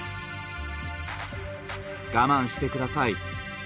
我慢してください。